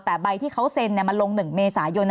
แต่ใบที่เขาเซ็นมันลง๑เมษายน